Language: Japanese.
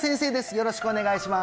よろしくお願いします